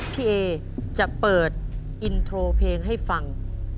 พี่เอจะเปิดอินโทรเพลงให้ฟัง